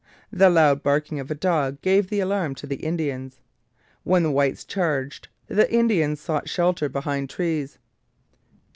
The loud barking of a dog gave the alarm to the Indians. When the whites charged, the Indians sought shelter behind trees.